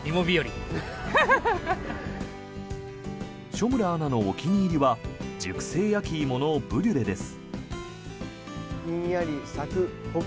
所村アナのお気に入りは熟成焼き芋のブリュレです。